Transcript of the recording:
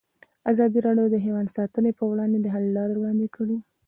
ازادي راډیو د حیوان ساتنه پر وړاندې د حل لارې وړاندې کړي.